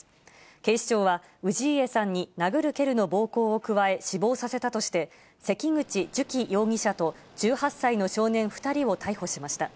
警視庁が氏家さんに殴る蹴るの暴行を加え、死亡させたとして、関口寿喜容疑者と１８歳の少年２人を逮捕しました。